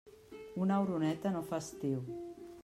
Una oroneta no fa estiu.